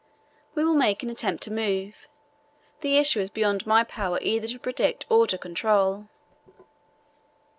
We will make an attempt to move. The issue is beyond my power either to predict or to control."